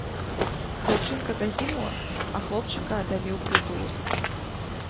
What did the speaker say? Дзяўчынка загінула, а хлопчыка аддалі ў прытулак.